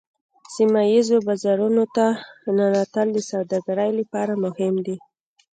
سیمه ایزو بازارونو ته ننوتل د سوداګرۍ لپاره مهم دي